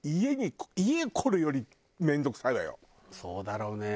そうだろうね。